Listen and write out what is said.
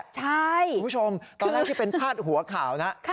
คุณผู้ชมตอนแรกที่เป็นพาดหัวข่าวนะ